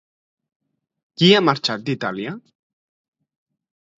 Qui ha marxat d'Itàlia?